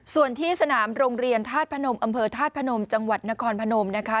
ส่วนที่สนามโรงเรียนธาตุพนมอำเภอธาตุพนมจังหวัดนครพนมนะคะ